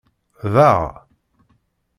Daɣ?!